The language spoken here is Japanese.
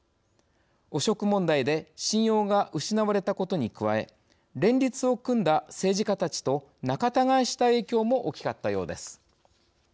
汚職問題で信用が失われたことに加え連立を組んだ政治家たちと仲たがいした影響も大きかったようです。